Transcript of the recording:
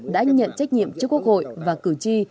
đã nhận trách nhiệm trước quốc hội và cử tri